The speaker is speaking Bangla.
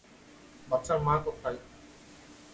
বাচ্চার মা কোথায়?